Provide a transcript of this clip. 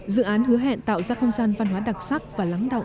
dự án hứa hẹn tạo ra không gian văn hóa đặc sắc và lắng động